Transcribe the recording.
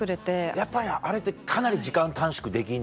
やっぱりあれってかなり時間短縮できんの？